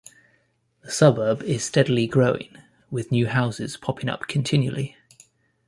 The suburb is steadily growing with new houses popping up continually.